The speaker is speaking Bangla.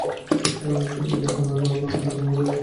তিনি জাহানদাদ খান বামিজাই কর্তৃক ধৃত ও বন্দী হন।